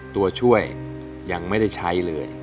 ตัวช่วยยังไม่ได้ใช้เลย